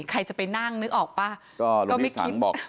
ใครจะไปนั่งนึกออกป่ะก็ไม่คิดก็รุณีสังบอก